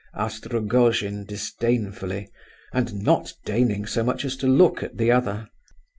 asked Rogojin, disdainfully, and not deigning so much as to look at the other.